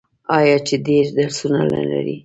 آیا چې ډیر درسونه نلري؟